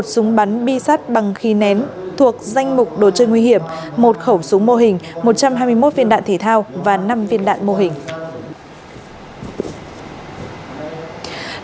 một súng bắn bi sắt bằng khí nén thuộc danh mục đồ chơi nguy hiểm một khẩu súng mô hình một trăm hai mươi một viên đạn thể thao và năm viên đạn mô hình